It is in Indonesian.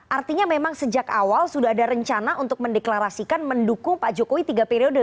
artinya memang sejak awal sudah ada rencana untuk mendeklarasikan mendukung pak jokowi tiga periode